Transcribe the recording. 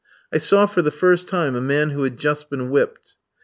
I saw, for the first time, a man who had just been whipped.